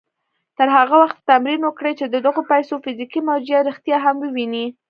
تر هغه وخته تمرين وکړئ چې د دغو پيسو فزيکي موجوديت رښتيا هم ووينئ.